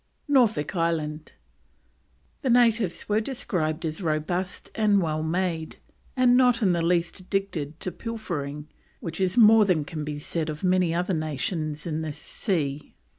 NORFOLK ISLAND. The natives were described as robust and well made, "and not in the least addicted to pilfering, which is more than can be said of any other nation in this sea."